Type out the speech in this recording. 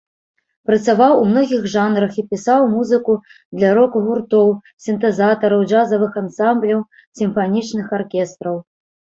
Працаваў у многіх жанрах і пісаў музыку для рок-гуртоў, сінтэзатараў, джазавых ансамбляў, сімфанічных аркестраў.